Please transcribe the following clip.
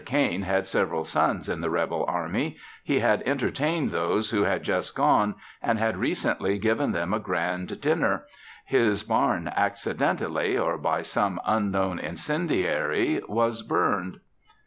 Cain had several sons in the Rebel army; he had entertained those who had just gone, and had recently given them a grand dinner; his barn accidentally, or by some unknown incendiary, was burned.